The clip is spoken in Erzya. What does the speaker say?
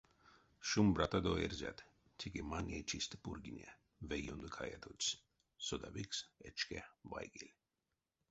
Шумбратадо, эрзят! — теке маней чистэ пурьгине, ве ёндо каятотсь содавикс эчке вайгель.